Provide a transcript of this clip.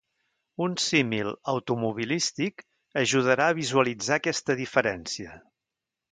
Un símil automobilístic ajudarà a visualitzar aquesta diferència.